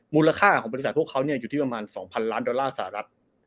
มูลค่าของบริษัทพวกเขาอยู่ที่ประมาณ๒๐๐๐ล้านดอลลาร์สหรัฐ